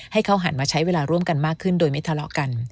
ให้เขาหันมาใช้เวลาร่วมกันมากขึ้นโดยไม่ทะเลาะกัน